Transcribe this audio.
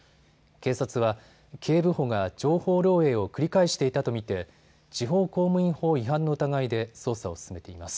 警察は警部補が情報漏えいを繰り返していたと見て地方公務員法違反の疑いで捜査を進めています。